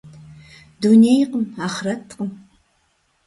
Дунейкъым, ахърэткъым.